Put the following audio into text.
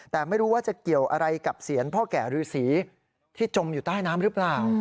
แต่ไม่รู้ว่าจะเกี่ยวอะไรกับเสียงพ่อแก่ฤษีที่จมอยู่ใต้น้ำหรือเปล่า